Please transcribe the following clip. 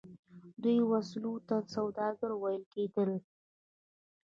دې وسیلو ته سوداګر ویل کیدل.